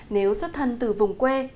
nếu xuất thân từ vùng quê